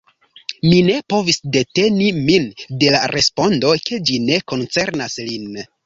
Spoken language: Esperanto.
Mi ne povis deteni min de la respondo, ke ĝi ne koncernas lin.